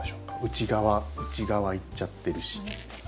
内側いっちゃってるし。